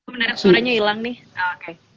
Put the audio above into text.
menarik suaranya hilang nih oke